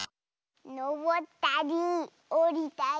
のぼったりおりたり。